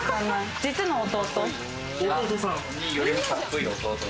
実の弟。